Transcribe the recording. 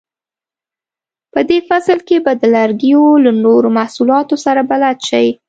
په دې فصل کې به د لرګیو له نورو محصولاتو سره بلد شئ.